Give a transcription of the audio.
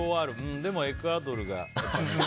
でもエクアドルが。